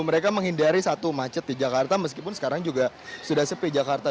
mereka menghindari satu macet di jakarta meskipun sekarang juga sudah sepi jakarta